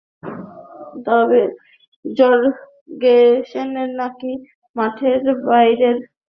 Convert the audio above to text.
তবে জার্গেনসেন নাকি মাঠের বাইরের কিছু কারণও তুলে ধরেছেন বোর্ড সভাপতির সামনে।